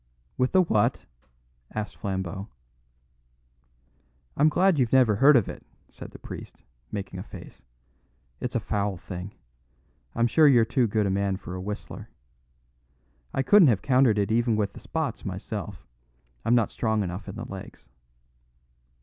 "With the what?" asked Flambeau. "I'm glad you've never heard of it," said the priest, making a face. "It's a foul thing. I'm sure you're too good a man for a Whistler. I couldn't have countered it even with the Spots myself; I'm not strong enough in the legs."